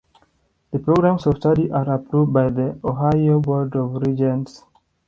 Programs of study are approved by the Ohio Board of Regents.